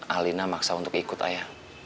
alina maksa untuk ikut ayah